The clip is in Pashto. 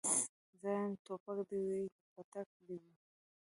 زه وايم ټوپک دي وي پتک دي وي